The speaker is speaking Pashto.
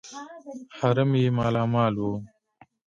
حرم یې مالامال وو.